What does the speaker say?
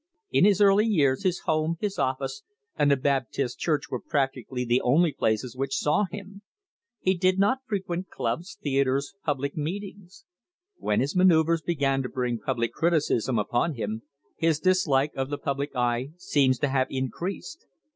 In his early years his home, his office, and the Baptist church were practically the only places which saw him. He did not frequent clubs, theatres, public meet ings. When his manoeuvres began to bring public criticism upon him, his dislike of the public eye seems to have in creased.